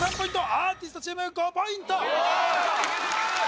アーティストチーム５ポイントいけるいける！